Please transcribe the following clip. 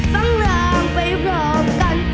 ทั้งรางไปพร้อมกัน